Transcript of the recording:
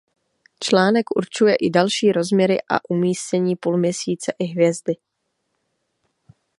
Článek určuje i další rozměry a umístění půlměsíce i hvězdy.